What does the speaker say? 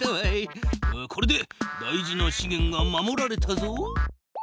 これで大事なしげんが守られたぞ。